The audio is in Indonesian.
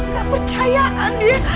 gak percayaan dia